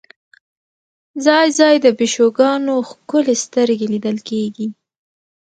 ځای ځای د پیشوګانو ښکلې سترګې لیدل کېږي.